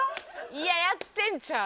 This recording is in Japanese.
いややってんちゃう？